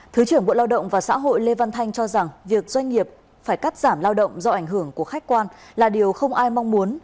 thứ trưởng bộ lao động và xã hội lê văn thanh cho rằng việc doanh nghiệp phải cắt giảm lao động do ảnh hưởng của khách quan là điều không ai mong muốn